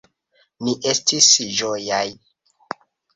Ni estis ĝojaj.